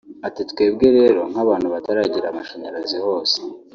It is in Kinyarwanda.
Ati “Twebwe rero nk’abantu bataragira amashanyarazi hose